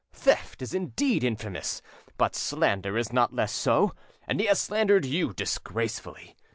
Theft is indeed infamous, but slander is not less so, and he has slandered you disgracefully.